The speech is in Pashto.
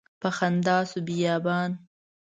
په خندا شو بیابان